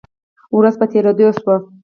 ورځ په تیریدو شوه